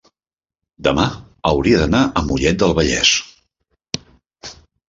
demà hauria d'anar a Mollet del Vallès.